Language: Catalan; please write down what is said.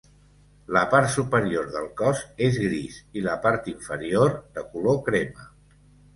La part superior del cos és gris i la part inferior de color crema.